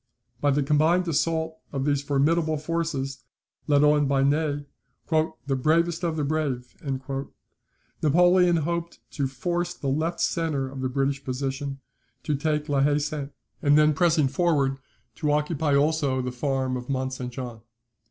By the combined assault of these formidable forces, led on by Ney, "the bravest of the brave," Napoleon hoped to force the left centre of the British position, to take La Haye Sainte, and then pressing forward, to occupy also the farm of Mont St. Jean.